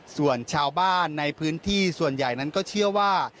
ส่วนชาวบ้านในพื้นที่ส่วนใหญ่นั้นก็เชื่อว่า